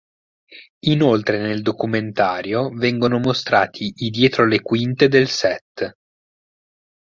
Inoltre nel documentario vengono mostrati i dietro le quinte del set.